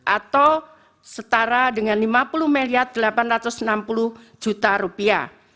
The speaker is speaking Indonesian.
atau setara dengan lima puluh delapan ratus enam puluh juta rupiah